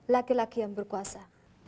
laki laki yang berkuasa